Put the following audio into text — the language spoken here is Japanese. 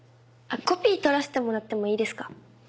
コピー取らせてもらってもいいですか？